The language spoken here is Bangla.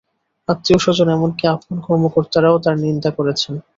আত্মীয় স্বজন, এমনকি আফগান কর্মকর্তারাও তাঁর নিন্দা করেছেন।